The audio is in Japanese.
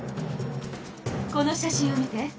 この写真を見て。